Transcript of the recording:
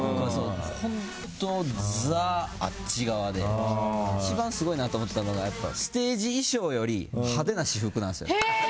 本当、ザ・あっち側で一番すごいなと思ったのがステージ衣装より派手な私服なんすよ。